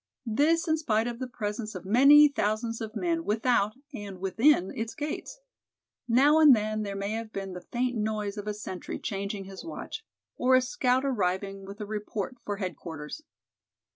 This in spite of the presence of many thousands of men without and within its gates. Now and then there may have been the faint noise of a sentry changing his watch, or a scout arriving with a report for headquarters.